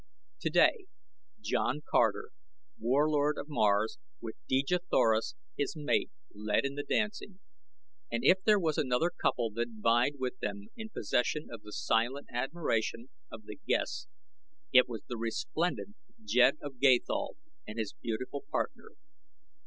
Today, John Carter, Warlord of Mars, with Dejah Thoris, his mate, led in the dancing, and if there was another couple that vied with them in possession of the silent admiration of the guests it was the resplendent Jed of Gathol and his beautiful partner.